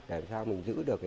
để sao mình giữ được